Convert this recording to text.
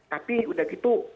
tapi udah gitu